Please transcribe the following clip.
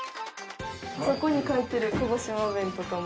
そこに書いてる鹿児島弁とかも。